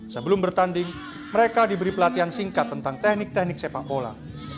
sebelum bertanding mereka diberi pelatihan singkat tentang teknik teknik sepak bola